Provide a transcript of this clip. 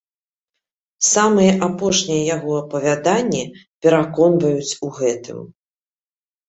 Самыя апошнія яго апавяданні пераконваюць у гэтым.